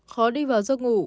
khó đi vào giấc ngủ